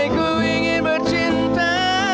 ku ingin bercinta